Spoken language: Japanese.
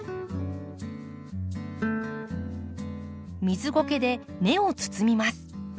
水ごけで根を包みます。